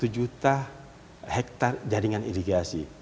satu juta hektare jaringan irigasi